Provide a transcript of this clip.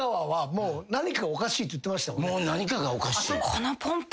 もう何かがおかしい。